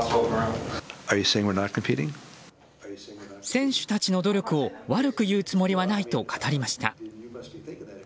選手たちの努力を悪く言うつもりはないと語りました。